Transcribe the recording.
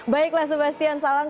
baiklah sebastian salang